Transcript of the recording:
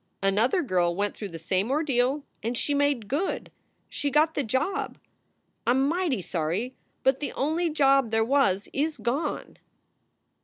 Another girl went through the same ordeal and she made good. She got the job. I m mighty sorry, but the only job there was is gone."